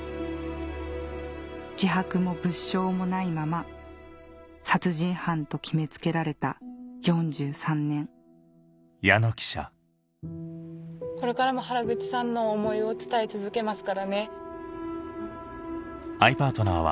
自白も物証もないまま殺人犯と決め付けられた４３年これからも原口さんの思いを伝え続けますからね。